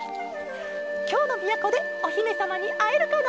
「きょうのみやこでおひめさまにあえるかな？